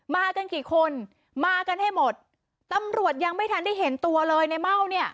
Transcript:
มากันกี่คนมากันให้หมดตำรวจยังไม่ทันได้เห็นตัวเลยในเม่าเนี่ย